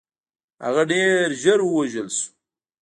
هغه ډېر ژر ووژل شو.